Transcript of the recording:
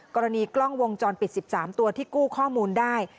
กรณีกล้องวงจรปิด๑๓ตัวที่กู้ข้อมูลได้